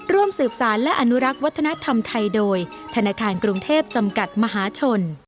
ร่วมสืบสารและอนุรักษ์วัฒนธรรมไทยโดยธนาคารกรุงเทพจำกัดมหาชน